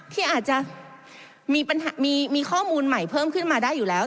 ที่อาจจะมีข้อมูลใหม่เพิ่มขึ้นมาได้อยู่แล้ว